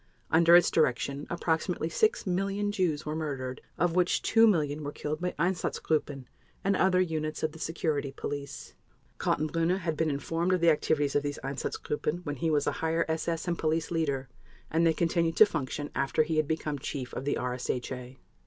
Under its direction approximately 6 million Jews were murdered, of which 2 million were killed by Einsatzgruppen and other units of the Security Police. Kaltenbrunner had been informed of the activities of these Einsatzgruppen when he was a Higher SS and Police Leader, and they continued to function after he had become Chief of the RSHA.